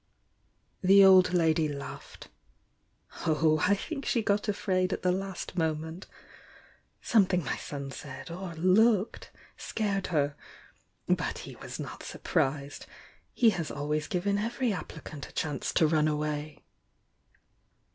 The old lady laughed. "Oh, I think she got afraid at the last moment! Something my son said, or looked, scared her I But he was not surprised,— he has always given every applicant a chance to run away!"